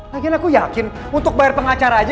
akhirnya aku yakin untuk bayar pengacara aja